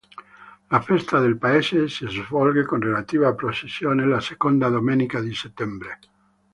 La Festa del paese si svolge con relativa processione la seconda domenica di settembre.